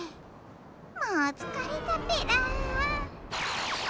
もうつかれたペラ。